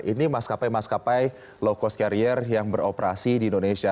ini maskapai maskapai low cost carrier yang beroperasi di indonesia